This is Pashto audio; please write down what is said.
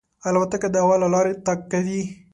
الوتکه د هوا له لارې تګ کوي.